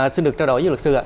xin được trao đổi với luật sư ạ